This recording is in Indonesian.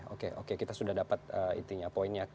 oke oke kita sudah dapat intinya poinnya